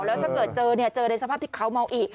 แล้วถ้าเกิดเจอเจอในสภาพที่เขาเมาอีก